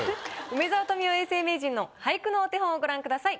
梅沢富美男永世名人の俳句のお手本をご覧ください。